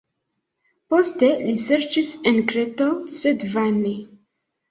Poste, li serĉis en Kreto, sed vane.